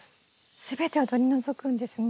全てをとりのぞくんですね。